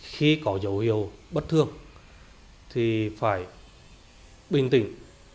khi có dấu hiệu bất thường thì phải bình tĩnh